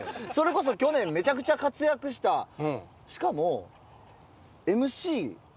それこそ去年めちゃくちゃ活躍したしかも。